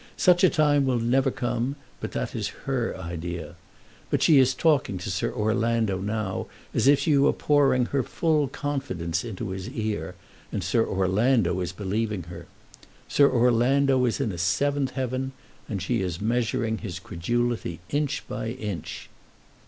Such a time will never come, but that is her idea. But she is talking to Sir Orlando now as if she were pouring her full confidence into his ear, and Sir Orlando is believing her. Sir Orlando is in a seventh heaven, and she is measuring his credulity inch by inch."